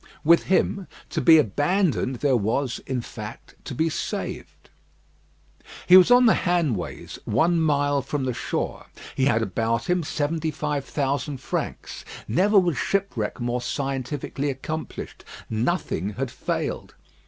With him, to be abandoned there was, in fact, to be saved. He was on the Hanways, one mile from the shore; he had about him seventy five thousand francs. Never was shipwreck more scientifically accomplished. Nothing had failed.